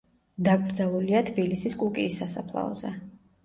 დაკრძალულია თბილისის კუკიის სასაფლაოზე.